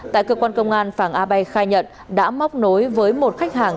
tại cơ quan công an phàng a bay khai nhận đã móc nối với một khách hàng